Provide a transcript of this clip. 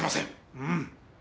うん。